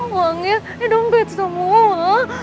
uangnya di angkat semua